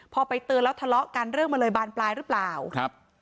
พอไปเตือนแล้วทะเลาะกันเรื่องมันเลยบานปลายหรือเปล่าครับ